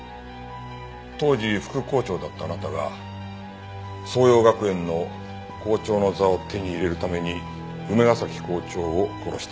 当時副校長だったあなたが爽葉学園の校長の座を手に入れるために梅ヶ崎校長を殺した。